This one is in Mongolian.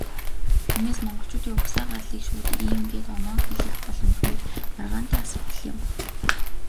Тиймээс, монголчуудын угсаа гарлыг шууд "ийм" гээд оноон хэлэх боломжгүй, маргаантай асуудал юм.